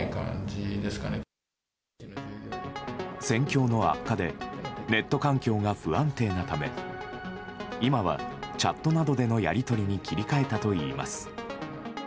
戦況の悪化でネット環境が不安定なため今はチャットなどでのやり取りに切り替えたといいます。